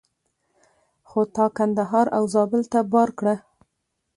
خو تا کندهار او زابل ته بار کړه.